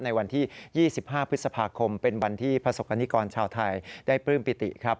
ในวันที่๒๕พฤษภาคมเป็นวันที่ประสบกรณิกรชาวไทยได้ปลื้มปิติครับ